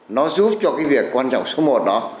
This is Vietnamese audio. nó giúp cho cái việc quan trọng số một đó